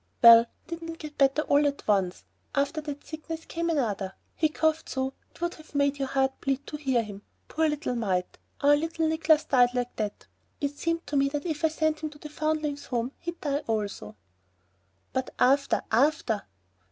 "Well, he didn't get better all at once. After that sickness another came. He coughed so it would have made your heart bleed to hear him, poor little mite. Our little Nicolas died like that. It seemed to me that if I sent him to the Foundlings' Home he'd died also." "But after?... after?"